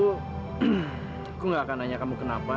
aku gak akan nanya kamu kenapa